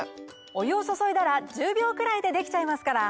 お湯を注いだら１０秒くらいでできちゃいますから。